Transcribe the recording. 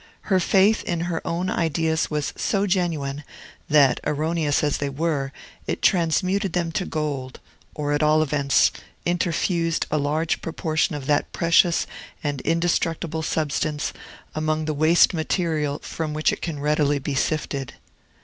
Her faith in her own ideas was so genuine, that, erroneous as they were, it transmuted them to gold, or, at all events, interfused a large proportion of that precious and indestructible substance among the waste material from which it can readily be sifted.